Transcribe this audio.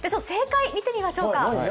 正解見てみましょうか。